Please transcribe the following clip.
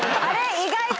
意外と？